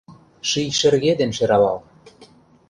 Ший шерге ден шералал